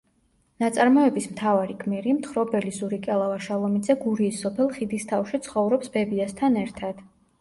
ნაწარმოების მთავარი გმირი, მთხრობელი ზურიკელა ვაშალომიძე გურიის სოფელ ხიდისთავში ცხოვრობს ბებიასთან ერთად.